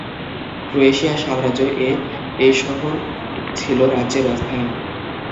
Croatia সাম্রাজ্য-এ এই শহর ছিল রাজ্যের রাজধানী।